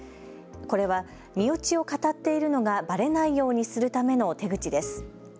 これは身内をかたっているのがばれないようにするための手口です。